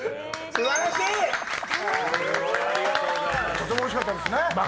とてもおいしかったですね。